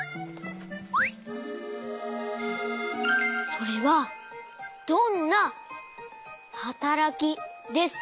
それはどんなはたらきですか？